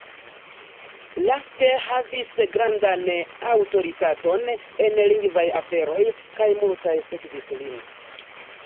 Rask havis grandan aŭtoritaton en lingvaj aferoj, kaj multaj sekvis lin.